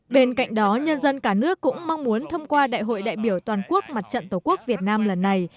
bên cạnh đó nhân dân cả nước cũng mong muốn thông qua đại hội đại biểu toàn quốc mặt trận tổ quốc việt nam lần này